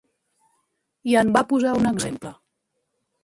I en va posar un exemple.